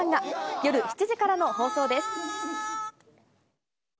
夜７時からの放送です。